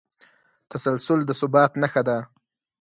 تسلسل د ثبات نښه ده.